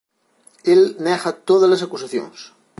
El nega tódalas acusacións.